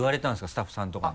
スタッフさんとかに。